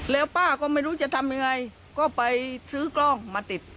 แล้วป้าก็ไม่รู้จะทำยังไงก็ไปซื้อกล้องมาติด